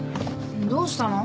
どうしたの？